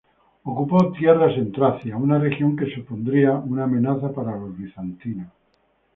Ocupó tierras en Tracia, una región que supondría una amenaza para los bizantinos.